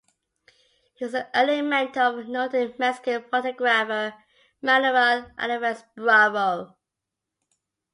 He was an early mentor of noted Mexican photographer Manuel Alvarez Bravo.